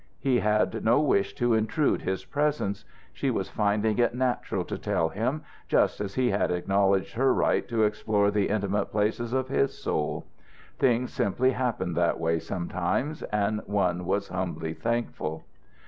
He had no wish to intrude his presence. She was finding it natural to tell him, just as he had acknowledged her right to explore the intimate places of his soul. Things simply happened that way sometimes, and one was humbly thankful.